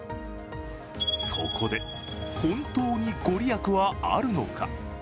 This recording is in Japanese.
そこで、本当に御利益はあるのか。